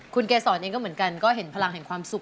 คุณเกศรเองก็เห็นพลังแห่งความสุข